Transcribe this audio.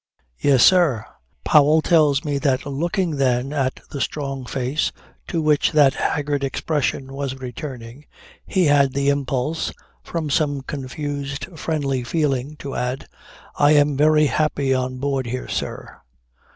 "Yes, sir." Powell tells me that looking then at the strong face to which that haggard expression was returning, he had the impulse, from some confused friendly feeling, to add: "I am very happy on board here, sir."